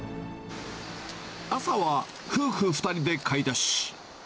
朝は夫婦２人で買い出し。